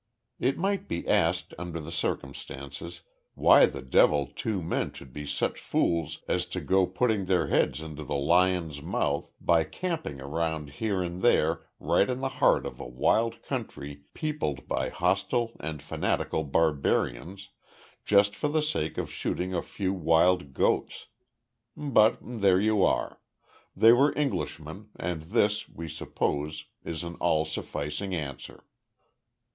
It might be asked under the circumstances why the devil two men should be such fools as to go putting their heads into the lion's mouth, by camping around here and there right in the heart of a wild country peopled by hostile and fanatical barbarians, just for the sake of shooting a few wild goats. But there you are. They were Englishmen, and this, we suppose, is an all sufficing answer.